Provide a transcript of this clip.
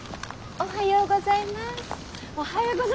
おはようございます海原さん。